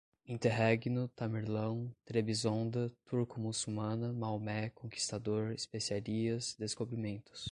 interregno, Tamerlão, Trebizonda, turco-muçulmana, Maomé, conquistador, especiarias, descobrimentos